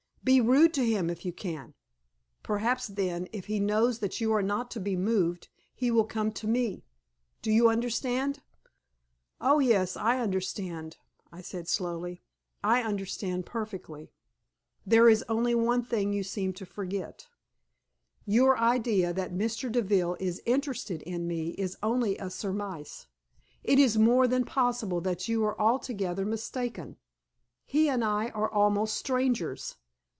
Be rude to him if you can. Perhaps then, if he knows that you are not to be moved, he will come to me. Do you understand?" "Oh, yes, I understand," I said, slowly; "I understand perfectly. There is only one thing you seem to forget. Your idea that Mr. Deville is interested in me is only a surmise. It is more than possible that you are altogether mistaken. He and I are almost strangers.